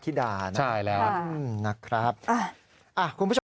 ธิดานะครับ